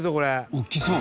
大きそう。